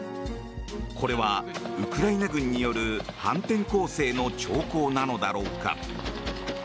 これはウクライナ軍による反転攻勢の兆候なのだろうか。